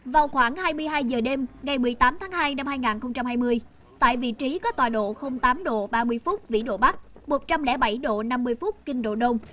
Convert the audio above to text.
vào khoảng hai mươi hai h đêm ngày một mươi tám tháng hai năm hai nghìn hai mươi tại vị trí có tòa độ tám độ ba mươi phút vĩ độ bắc một trăm linh bảy độ năm mươi phút kinh độ đông